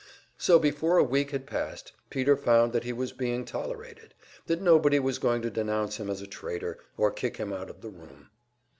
So before a week had passed Peter found that he was being tolerated, that nobody was going to denounce him as a traitor, or kick him out of the room.